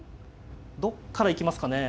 どっから行きますかね。